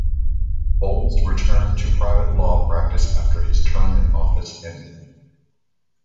Bowles returned to private law practice after his term in office ended.